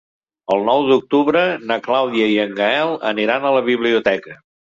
El nou d'octubre na Clàudia i en Gaël aniran a la biblioteca.